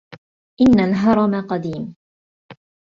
إِنَّ الْهَرَمَ قَدِيمٌ.